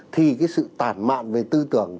thì cái sự tản mạn về tư tưởng